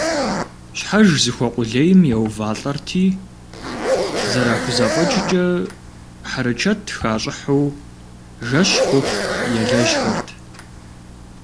Щхьэж зыхуэкъулейм еувалӀэрти, зэрахузэфӀэкӀкӀэ, хьэрычэт хащӀыхьу, жэщ хъуху елэжьхэрт.